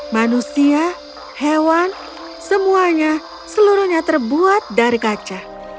manusia hewan semuanya seluruhnya terbuat dari kaca